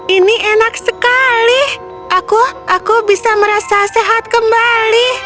ini enak sekali aku aku bisa merasa sehat kembali